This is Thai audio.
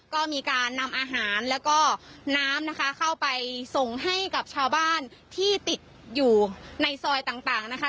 ก็มีการนำอาหารแล้วก็น้ำนะคะเข้าไปส่งให้กับชาวบ้านที่ติดอยู่ในซอยต่างนะคะ